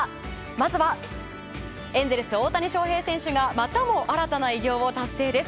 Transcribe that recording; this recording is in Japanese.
まずはエンゼルス大谷翔平選手がまたも新たな偉業を達成です。